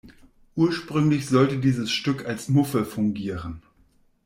Ursprünglich sollte dieses Stück als Muffe fungieren.